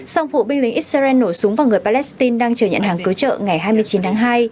sau vụ binh lính israel nổ súng vào người palestine đang chờ nhận hàng cứu trợ ngày hai mươi chín tháng hai